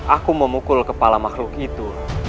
aku memukul kepala makhluk itu